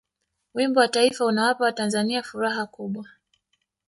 wimbo wa taifa unawapa watanzania furaha kubwa